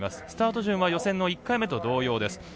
スタート順は予選の１回目と同じです。